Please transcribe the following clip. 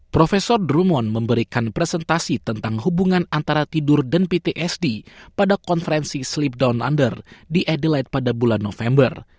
prof drummond memberikan presentasi tentang hubungan antara tidur dan ptsd pada konferensi sleep down under di adelaide pada bulan november